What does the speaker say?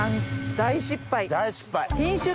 大失敗。